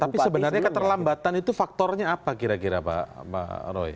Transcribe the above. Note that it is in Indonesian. tapi sebenarnya keterlambatan itu faktornya apa kira kira pak roy